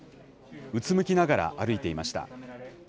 うつむきながら歩いていました。